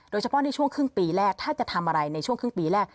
โดยเฉพาะในช่วงครึ่งปีแรกถ้าจะทำอะไรในช่วงครึ่งปีแรก